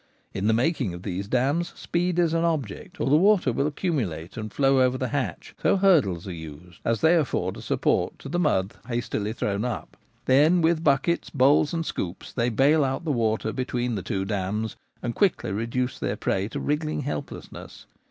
In the making of these dams speed is an object, or the water will accumulate and flow over the hatch ; so hurdles are used, as they afford a support to the mud hastily thrown up. Then with buckets, bowls, and * scoops/ they bale out the water between the two dams, and quickly reduce their prey to wriggling helplessness.